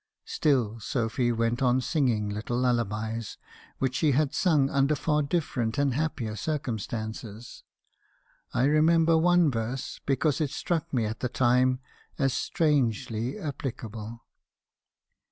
Still Sophy went on singing little lullabies, which she had sung under far different and happier circumstances. I remember 266 mb. hakhison's confessions. one verse, because it struck me at the time as strangely applicable.